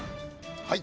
はい。